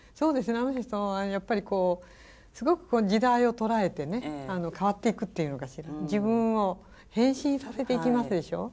あの人はやっぱりすごく時代を捉えてね変わっていくっていうのかしら自分を変身させていきますでしょ？